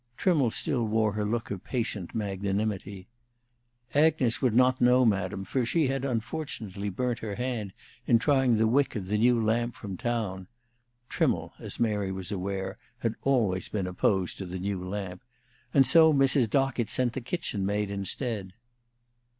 Trimmle still wore her look of patient magnanimity. "Agnes would not know, Madam, for she had unfortunately burnt her hand in trying the wick of the new lamp from town " Trimmle, as Mary was aware, had always been opposed to the new lamp "and so Mrs. Dockett sent the kitchen maid instead."